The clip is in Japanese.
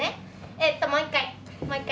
えっともう一回。